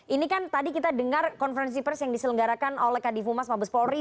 ini kan tadi kita dengar konferensi pers yang diselenggarakan oleh kadifu mas mabes polri